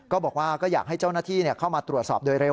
ก็บอกว่าก็อยากให้เจ้าหน้าที่เข้ามาตรวจสอบโดยเร็ว